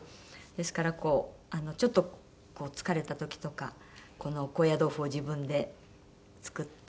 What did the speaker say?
ですからこうちょっと疲れた時とかこの高野豆腐を自分で作って。